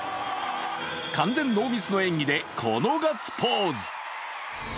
完全ノーミスの演技で、このガッツポーズ。